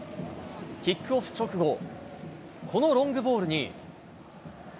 キックオフ直後、このロングボールに。